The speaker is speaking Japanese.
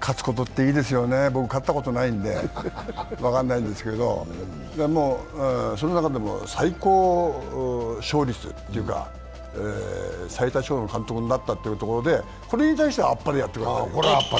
勝つことっていいですよね、僕勝ったことないんで分かんないんですけど、その中でも最高勝率というか、最多勝の監督になったというところで、これに対しては、あっぱれをやってください。